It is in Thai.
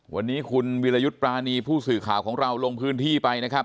วันนี้คุณวิรยุทธ์ปรานีผู้สื่อข่าวของเราลงพื้นที่ไปนะครับ